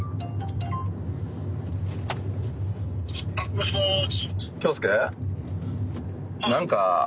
もしもし。